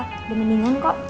udah mendingan kok